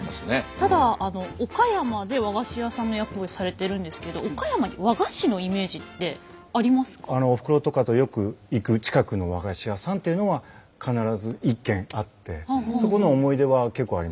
ただ岡山で和菓子屋さんの役をされてるんですけどおふくろとかとよく行く近くの和菓子屋さんっていうのは必ず一軒あってそこの思い出は結構ありますね。